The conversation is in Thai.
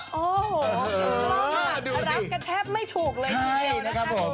โภ่บ้างรับกระแทบไม่ถูกเลย